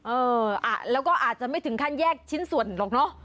เอออ่ะแล้วก็อาจจะไม่ถึงขั้นแยกชิ้นส่วนหรอกเนอะ